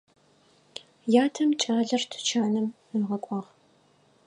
Ятэм кӏалэр тучанэм ыгъэкӏуагъ.